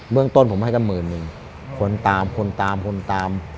เรื่องต้นผมให้กันหมื่นหนึ่งคนตามคนตามคนตาม